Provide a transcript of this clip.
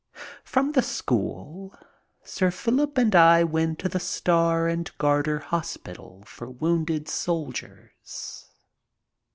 From the school Sir Philip and I went to the Star and Garter hospital for wounded soldiers.